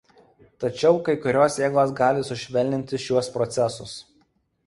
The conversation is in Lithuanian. Tačiau kai kurios jėgos gali sušvelninti šiuos procesus.